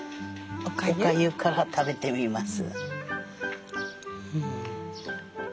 お粥から食べてみます。